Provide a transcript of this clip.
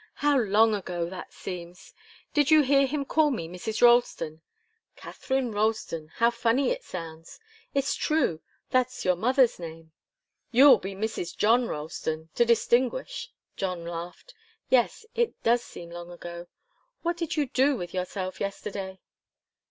How long ago that seems! Did you hear him call me Mrs. Ralston? Katharine Ralston how funny it sounds! It's true, that's your mother's name." "You'll be Mrs. John Ralston to distinguish." John laughed. "Yes it does seem long ago. What did you do with yourself yesterday?"